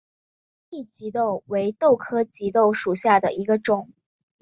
宽翼棘豆为豆科棘豆属下的一个种。